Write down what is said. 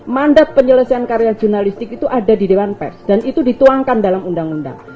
mandat penyelesaian karya jurnalistik itu ada di dewan pers dan itu dituangkan dalam undang undang